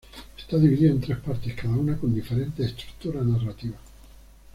Está dividido en tres partes, cada una con diferente estructura narrativa.